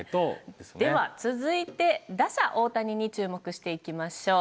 では続いて打者大谷に注目していきましょう。